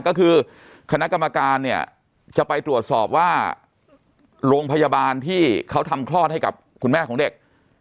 ก็คือคณะกรรมการเนี่ยจะไปตรวจสอบว่าโรงพยาบาลที่เขาทำคลอดให้กับคุณแม่ของเด็ก